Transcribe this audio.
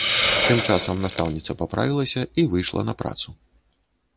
Тым часам, настаўніца паправілася і выйшла на працу.